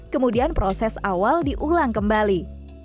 kemudian proses awal diulang kembali